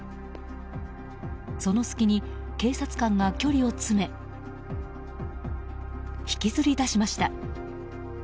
その隙に、警察官が距離を詰め引きずり出しました。